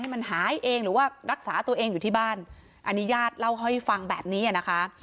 มันหายเองหรือว่ารักษาตัวเองอยู่ที่บ้านอันนี้ญาติเล่าให้ฟังแบบนี้อ่ะนะคะ